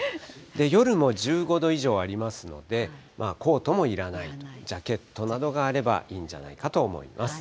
夜も１５度以上ありますので、コートもいらないと、ジャケットなどがあればいいんじゃないかと思います。